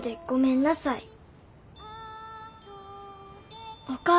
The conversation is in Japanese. ごめんなさい。